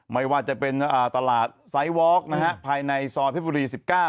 ไม่ว่าจะเป็นตลาดไซส์วอล์กนะฮะภายในซอยเพชรบุรี๑๙